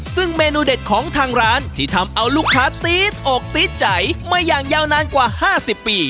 ซึ่งเมนูเด็ดของทางร้านที่ทำเอาลูกค้าตี๊ดอกตี๊ดใจมาอย่างยาวนานกว่า๕๐ปี